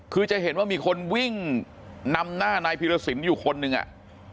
คือจะเห็นว่ามีคนวิ่งนำหน้านายพีรสินอยู่คนหนึ่งอ่ะ